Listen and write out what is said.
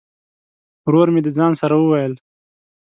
ورور مي د ځان سره وویل !